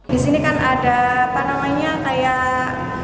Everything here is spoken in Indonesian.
di sini kan ada apa namanya kayak